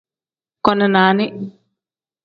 Koni nani.